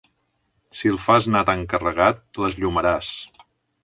Si el fas anar tan carregat, l'esllomaràs.